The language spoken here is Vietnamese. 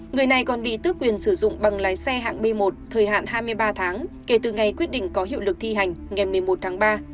người này còn bị tước quyền sử dụng bằng lái xe hạng b một thời hạn hai mươi ba tháng kể từ ngày quyết định có hiệu lực thi hành ngày một mươi một tháng ba